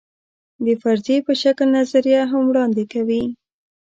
د فرضیې په شکل نظریه هم وړاندې کوي.